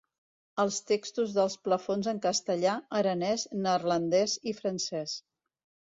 Els textos dels plafons en castellà, aranès, neerlandès i francès.